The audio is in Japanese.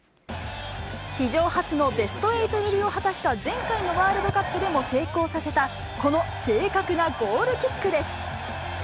史上初のベスト８入りを果たした前回のワールドカップでも成功させた、この正確なゴールキックです。